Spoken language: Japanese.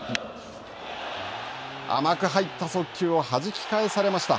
甘く入った速球をはじき返されました。